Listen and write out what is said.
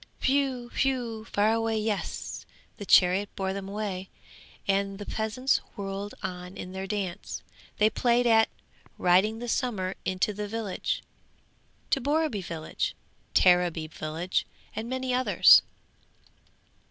'Whew! whew! fare away! Yes, the chariot bore them away, and the peasants whirled on in their dance. They played at "Riding the Summer into the village," to Borreby village, Tareby village, and many others.